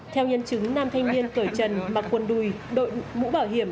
theo nhân chứng nam thanh niên tuổi trần mặc quần đùi đội mũ bảo hiểm